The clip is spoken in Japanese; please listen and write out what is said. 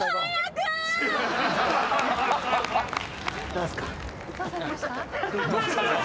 何すか？